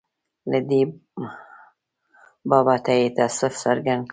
له دې بابته یې تأسف څرګند کړ.